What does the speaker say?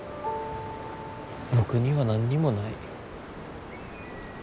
僕には何にもない。